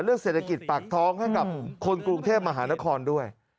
เศรษฐกิจปากท้องให้กับคนกรุงเทพมหานครด้วย